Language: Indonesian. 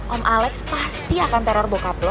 om alex pasti akan teror bokap lo